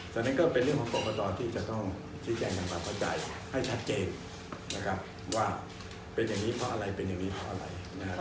ตอนนี้ก็เป็นเรื่องของปรบประตอที่จะต้องพิจารณ์การปรับประจายให้ชัดเจนว่าเป็นอย่างนี้เพราะอะไรเป็นอย่างนี้เพราะอะไร